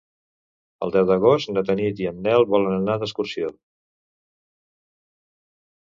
El deu d'agost na Tanit i en Nel volen anar d'excursió.